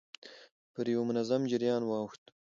پر يوه منظم جريان واوښت.